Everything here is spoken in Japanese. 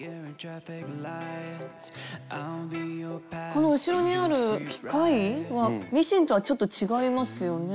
この後ろにある機械はミシンとはちょっと違いますよね？